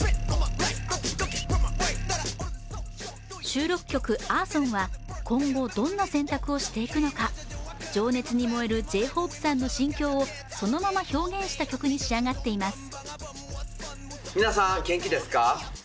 収録曲「Ａｒｓｏｎ」は今後どんな選択をしていくのか、情熱に燃えるＪ−ＨＯＰＥさんの心境をそのまま表現した曲に仕上がっています。